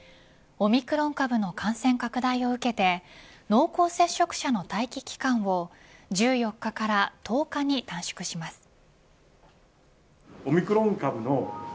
オミクロン株の感染拡大を受けて濃厚接触者の待機期間を１４日から１０日に短縮します。